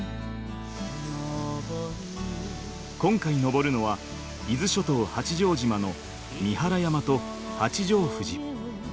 今回登るのは伊豆諸島八丈島の三原山と八丈富士。